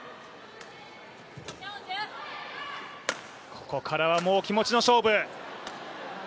ここからはもう気持ちの勝負。